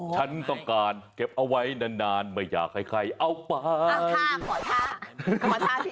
ฉันต้องการเก็บเอาไว้นานนานไม่อยากให้ใครเอาไปขอท่าขอท่า